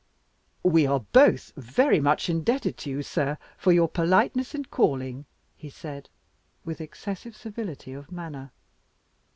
"We are both very much indebted to you, sir, for your politeness in calling," he said, with excessive civility of manner.